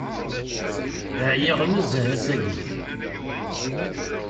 Ɛyiɣ nezzeh ass-agi.